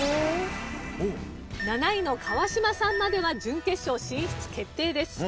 ７位の川島さんまでは準決勝進出決定です。